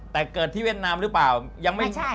แต่เกิดที่เวียดนามหรือเปล่ายังไม่ใช่